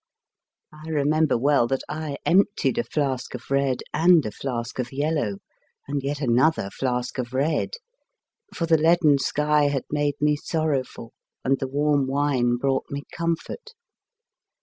I remember well that I emptied a flask of red and a flask of yellow, and yet another flask of red ; for the leaden sky had made me sorrowful and the warm wine brought me comfort.